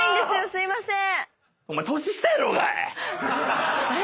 すいません。